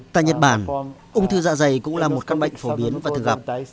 tại nhật bản ung thư dạ dày cũng là một căn bệnh phổ biến và thường gặp